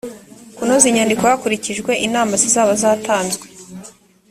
kunoza inyandiko hakurikijwe inama zizaba zatanzwe